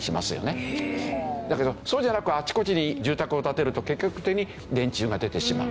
だけどそうじゃなくあちこちに住宅を建てると結果的に電柱が出てしまう。